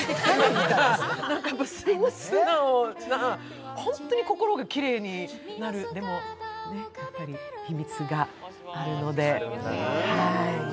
すっごい素直な、本当に心がきれいになる秘密があるので。